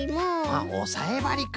あっおさえばりか。